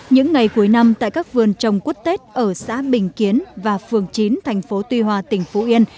những ngày cuối năm tại các vườn trồng quất tết ở xã bình kiến và phường chín thành phố tuy hòa tỉnh phú yên